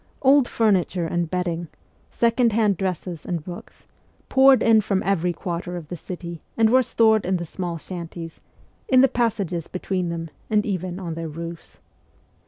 Old furni ture and bedding, second hand dresses and books, poured in from every quarter of the city, and were stored in the small shanties, in the passages between them, and even on their roofs.